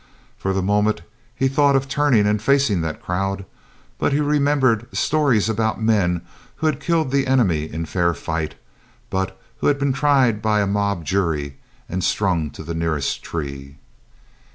For the moment he thought of turning and facing that crowd, but he remembered stories about men who had killed the enemy in fair fight, but who had been tried by a mob jury and strung to the nearest tree.